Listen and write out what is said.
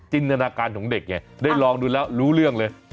จินตนาการของเด็กไงได้ลองดูแล้วรู้เรื่องเลย